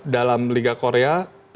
dalam liga korea